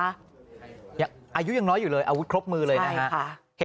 อายุยังน้อยอยู่เลยอาวุธครบมือเลยนะฮะ